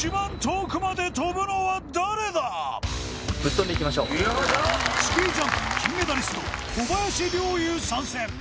スキージャンプ金メダリスト小林陵侑参戦！